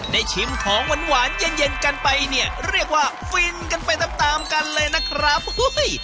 ได้ชิมของหวานเย็นกันไปเรียกว่าฟินกันไปตามกันเลยนะครับ